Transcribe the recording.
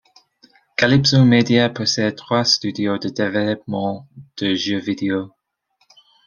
Kalypso Media possède trois studios de développement de jeux vidéo.